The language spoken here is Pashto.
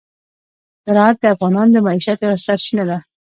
زراعت د افغانانو د معیشت یوه سرچینه ده.